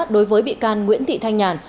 đối với bị can nguyễn thị thanh nhàn